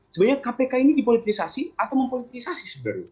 sebenarnya kpk ini dipolitisasi atau mempolitisasi sebenarnya